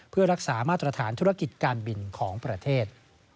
เพื่อรักษามาตรฐานธุรกิจการบินของประเทศ